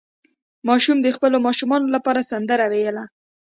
ماشوم د خپلو ماشومانو لپاره سندره ویله.